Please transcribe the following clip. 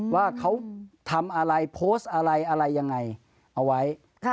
ว่าเขาทำอะไรโพสต์อะไรอะไรยังไงเอาไว้